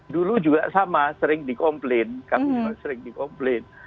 dulu juga sama sering di komplain